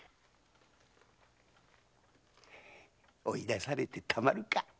追い出されてたまるか。